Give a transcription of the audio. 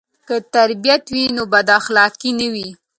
که تربیت وي نو بداخلاقي نه وي.